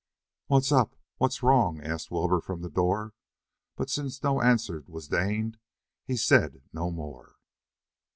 "What's up? What's wrong?" asked Wilbur from the door, but since no answer was deigned he said no more.